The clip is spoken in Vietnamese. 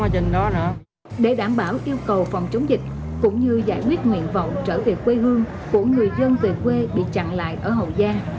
để đảm bảo yêu cầu phòng chống dịch cũng như giải quyết nguyện vọng trở về quê hương của người dân về quê bị chặn lại ở hậu giang